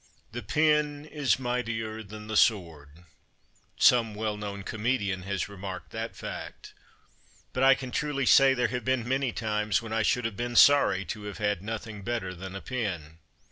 The pen is mightier than the sword. Some well known comedian has remarked that fact. But I can truly say there have been many times when I should have been sorry to have had nothing better than a pen.